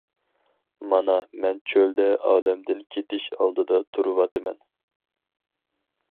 مانا مەن چۆلدە ئالەمدىن كېتىش ئالدىدا تۇرۇۋاتىمەن.